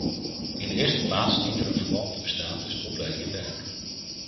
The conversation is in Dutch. In de eerste plaats dient er een verband te bestaan tussen opleiding en werk.